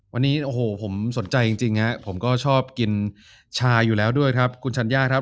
วันนี้โอ้โหผมสนใจจริงผมก็ชอบกินชาอยู่แล้วด้วยครับคุณชัญญาครับ